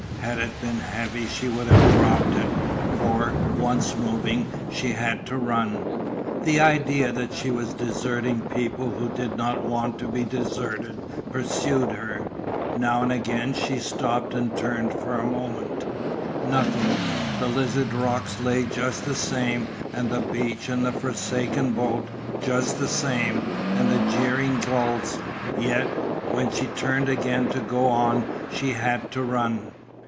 Had it been heavy she would have dropped it, for, once moving, she had to run. The idea that she was deserting people who did not want to be deserted pursued her; now and again she stopped and turned for a moment nothing; the Lizard rocks lay just the same and the beach and the forsaken boat, just the same, and the jeering gulls; yet, when she turned again to go on she had to run.